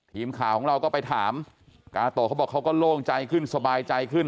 ทีมข่าวของเราก็ไปถามกาโตะเขาบอกเขาก็โล่งใจขึ้นสบายใจขึ้น